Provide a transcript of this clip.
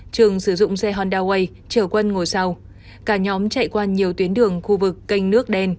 trường sử dụng xe honda way chở quân ngồi sau cả nhóm chạy qua nhiều tuyến đường khu vực kênh nước đen